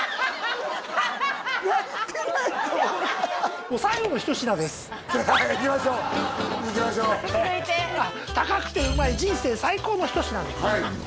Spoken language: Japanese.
やってないと思うな最後の一品ですいきましょういきましょう続いて高くてうまい人生最高の一品です